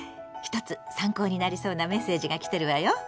１つ参考になりそうなメッセージが来てるわよ。